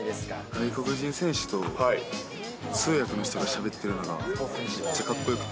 外国人選手と通訳の人がしゃべってるのがめっちゃかっこよくて。